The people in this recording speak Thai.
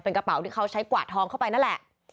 กระเป๋าที่เขาใช้กวาดทองเข้าไปนั่นแหละ